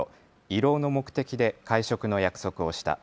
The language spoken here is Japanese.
慰労の目的で会食の約束をした。